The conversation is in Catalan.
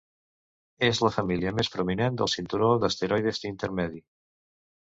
És la família més prominent del cinturó d'asteroides intermedi.